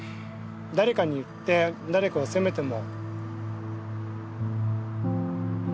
誰かに言って誰かを責めても。